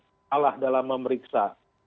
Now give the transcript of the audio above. artinya siapa yang kalah dalam memeriksa